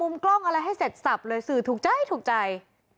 กล้องอะไรให้เสร็จสับเลยสื่อถูกใจถูกใจ